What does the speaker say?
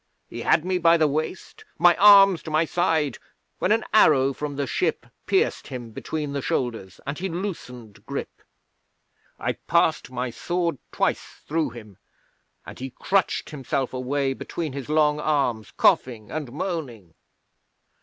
He had me by the waist, my arms to my side, when an arrow from the ship pierced him between the shoulders, and he loosened grip. I passed my sword twice through him, and he crutched himself away between his long arms, coughing and moaning.